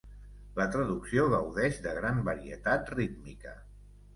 La traducció gaudeix de gran varietat rítmica.